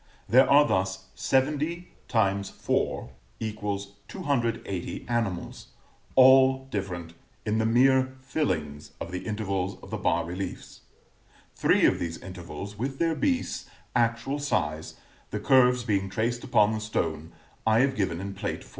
There are thus 70 x 4=280 animals, all different, in the mere fillings of the intervals of the bas reliefs. Three of these intervals, with their beasts, actual size, the curves being traced upon the stone, I have given in Plate XIV.